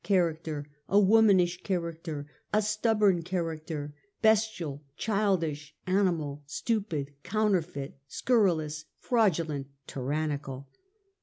1 19 character ; a womanish character ; a stubborn character ; bestial, childish, animal, stupid, counterfeit, scurrilous, fraudulent, tyrannical